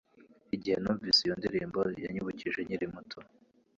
Igihe numvise iyo ndirimbo, yanyibukije nkiri umwana